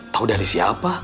tau dari siapa